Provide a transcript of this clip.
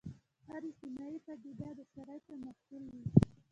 هره اجتماعي پدیده د شرایطو محصول وي.